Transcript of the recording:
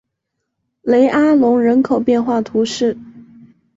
雷阿隆人口变化图示